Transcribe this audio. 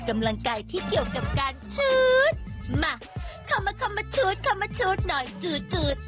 มาเข้ามาชุดเข้ามาชุดหน่อยจู๊ด